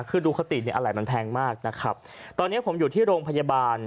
คือดูคติเนี่ยอะไรมันแพงมากนะครับตอนนี้ผมอยู่ที่โรงพยาบาล